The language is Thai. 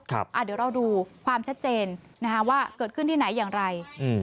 เดี๋ยวเราดูความชัดเจนว่าเกิดขึ้นที่ไหนอย่างไร